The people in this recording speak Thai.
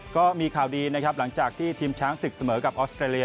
ก็มีข่าวดีนะครับหลังจากที่ทีมช้างศึกเสมอกับออสเตรเลี